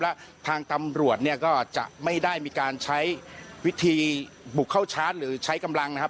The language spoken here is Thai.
และทางตำรวจเนี่ยก็จะไม่ได้มีการใช้วิธีบุกเข้าชาร์จหรือใช้กำลังนะครับ